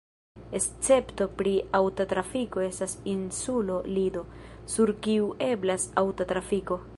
Escepto pri aŭta trafiko estas insulo Lido, sur kiu eblas aŭta trafiko.